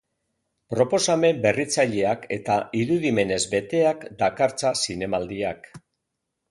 Proposamen berritzaileak eta irudimenez beteak dakartza zinemaldiak.